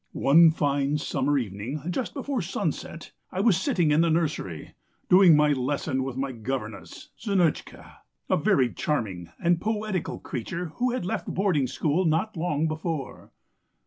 One fine summer evening, just before sunset, I was sitting in the nursery, doing my lesson with my governess, Zinotchka, a very charming and poetical creature who had left boarding school not long before.